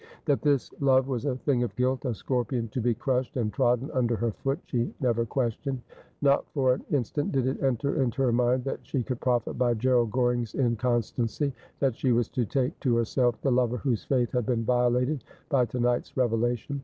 That this love was a thing of guilt, a scorpion to be crushed and trodden under her foot, she never questioned. Not for an instant did it enter into her mind that she could profit by Gerald G oring's inconstancy, that she was to take to herself the lover whose faith had been violated by to night's revelation.